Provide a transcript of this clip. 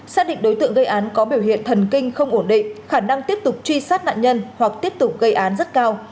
xác định đối tượng gây án có biểu hiện thần kinh không ổn định khả năng tiếp tục truy sát nạn nhân hoặc tiếp tục gây án rất cao